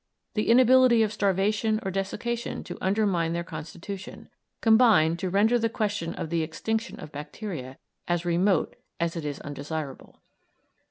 the inability of starvation or desiccation to undermine their constitution, combine to render the question of the extinction of bacteria as remote as it is undesirable.